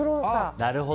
なるほど。